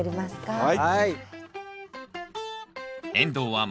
はい。